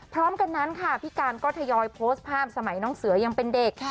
พร้อมกันนั้นค่ะพี่การก็ทยอยโพสต์ภาพสมัยน้องเสือยังเป็นเด็ก